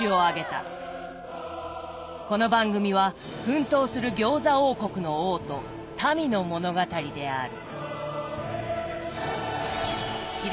この番組は奮闘する餃子王国の王と民の物語である。